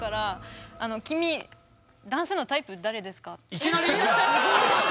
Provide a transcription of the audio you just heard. いきなり？